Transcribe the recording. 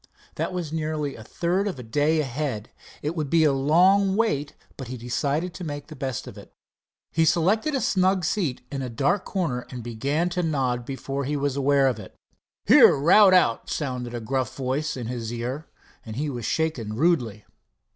That was nearly a third of a day ahead. It would be a long wait, but he decided to make the best of it. He selected a snug seat in a dark corner and began to nod before he was aware of it. "Here, rout out," sounded a gruff voice in his ear, and he was shaken rudely.